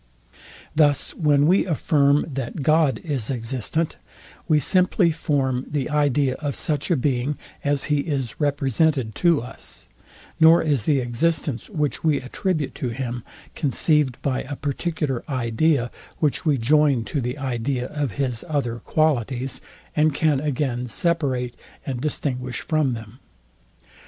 Thus when we affirm, that God is existent, we simply form the idea of such a being, as he is represented to us; nor is the existence, which we attribute to him, conceived by a particular idea, which we join to the idea of his other qualities, and can again separate and distinguish from them.